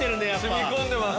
染み込んでます。